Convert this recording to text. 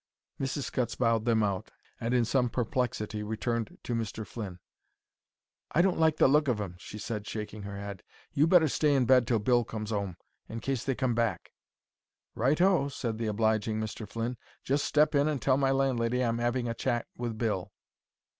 Mrs. Scutts bowed them out, and in some perplexity returned to Mr. Flynn. "I don't like the look of 'em," she said, shaking her head. "You'd better stay in bed till Bill comes 'ome in case they come back." "Right o," said the obliging Mr. Flynn. "Just step in and tell my landlady I'm 'aving a chat with Bill."